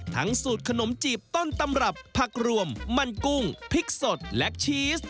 สูตรขนมจีบต้นตำรับผักรวมมันกุ้งพริกสดและชีส